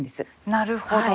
なるほど。